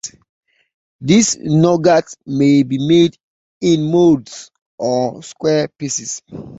This nougat may be made in molds, or square pieces.